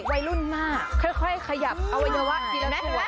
วัยรุ่นมากค่อยขยับเอาเป็นว่าเยี่ยม